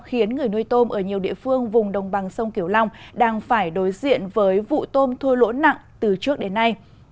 khiến người nuôi tôm ở nhiều địa phương vùng đồng bằng sông kiểu long đang phải đối diện với vụ tôm thua lỗ nặng từ trước đến nay